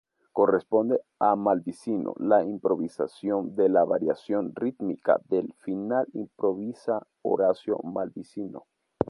Corresponde a Malvicino la improvisación de la variación rítmica del final improvisa Horacio Malvicino.